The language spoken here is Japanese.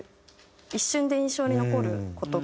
一瞬で印象に残る事が。